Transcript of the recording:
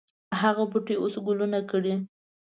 هغه بوټی اوس ګلونه کړي